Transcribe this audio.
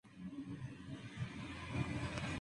Fuente: Competiciones Uruguay